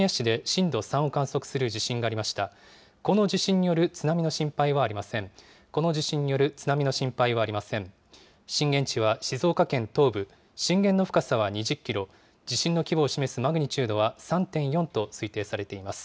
震源地は静岡県東部、震源の深さは２０キロ、地震の規模を示すマグニチュードは３．４と推定されています。